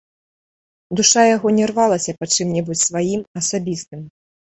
Душа яго не рвалася па чым-небудзь сваім, асабістым.